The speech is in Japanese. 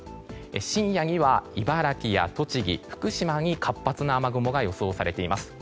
深夜には茨城や栃木、福島に活発な雨雲が予想されています。